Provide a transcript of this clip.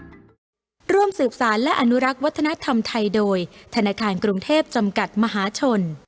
ทุกวันต่อไปทุกวันต่อไปร่วมสืบสารและอนุรักษ์วัฒนธรรมไทยโดยธนาคารกรุงเทพฯจำกัดมหาชน